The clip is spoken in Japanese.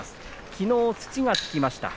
きのう土がつきました。